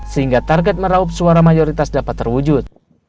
sehingga target meraup suara mayoritas dapat terwujud